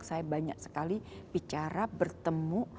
saya banyak sekali bicara bertemu